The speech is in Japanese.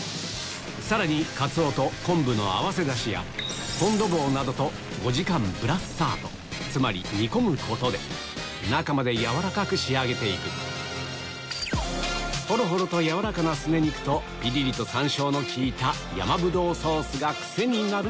さらにかつおと昆布の合わせダシやフォンドボーなどと５時間ブラッサートつまり煮込むことで中まで軟らかく仕上げていくホロホロと軟らかなすね肉とビリリと山椒の利いた山ぶどうソースが癖になる